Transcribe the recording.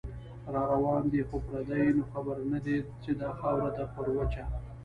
راروان دی خو پردې نو خبر نه دی، چې دا خاوره ده پر وچه